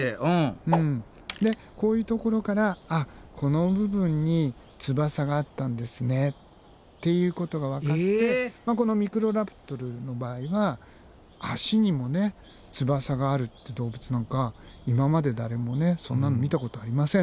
でこういうところからあっこの部分に翼があったんですねっていうことがわかってこのミクロラプトルの場合は足にも翼があるって動物なんか今まで誰もそんなの見たことありません。